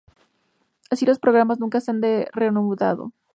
Así, los programas nunca se han reanudado.